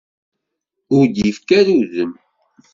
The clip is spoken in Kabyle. Ur d-ifki ara udem.